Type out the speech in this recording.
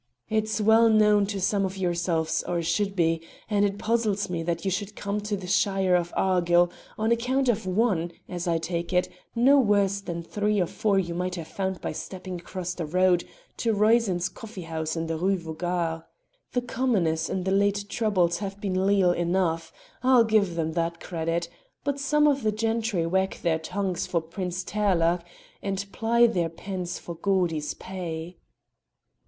It's well known to some of yourselves, or should be, and it puzzles me that you should come to the shire of Argyll on account of one, as I take it, no worse than three or four you might have found by stepping across the road to Roisin's coffee house in the Rue Vaugirard. The commoners in the late troubles have been leal enough, I'll give them that credit, but some of the gentry wag their tongues for Prince Tearlach and ply their pens for Geordie's pay."